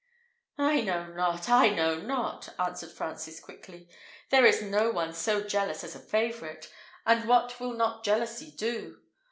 "I know not! I know not!" answered Francis, quickly: "there is no one so jealous as a favourite; and what will not jealousy do?